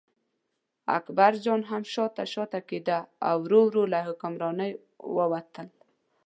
اکبرجان هم شاته شاته کېده او ورو ورو له حکمرانۍ ووتل.